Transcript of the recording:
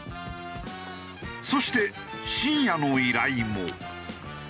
そして深夜の依頼も。